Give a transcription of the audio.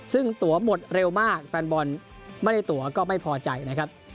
ซึ่งตัวหมดเร็วมากแฟนบอลไม่ได้ตัวก็ไม่พอใจนะครับ